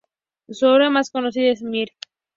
Su obra más conocida es "Mr.